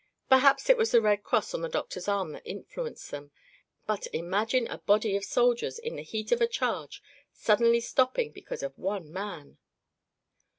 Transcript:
Perhaps it was the Red Cross on the doctor's arm that influenced them, but imagine a body of soldiers in the heat of a charge suddenly stopping because of one man!"